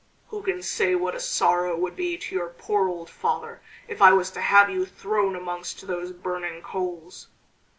"Who can say what a sorrow it would be to your poor old father if I was to have you thrown amongst those burning coals!